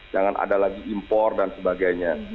jangan ada lagi impor dan sebagainya